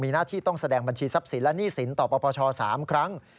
มีหน้าที่ต้องแสดงบัญชีทรัพย์สินและหนี้สินต่อปปช๓ครั้ง